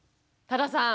多田さん